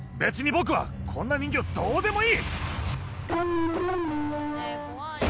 僕はこんな人形どうでもいい！